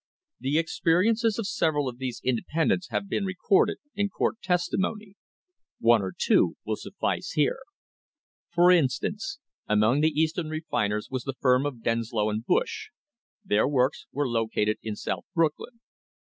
* The experiences of several of these independents have been recorded in court testimony. One or two will suffice here. For instance, among the Eastern refiners was the firm of Denslow and Bush; their works were located in South Brooklyn.